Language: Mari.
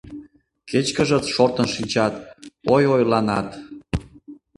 Кечкыжыт, шортын шинчат, ойойланат.